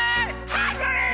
ハングリー！